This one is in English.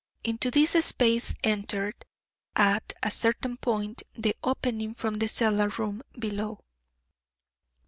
Into this space entered, at a certain point, the opening from the cellar room below.